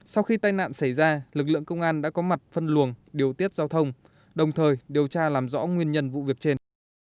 sau đó lực lượng công an đã có mặt phân luồng điều tiết giao thông đồng thời điều tra làm rõ nguyên nhân vụ việc trên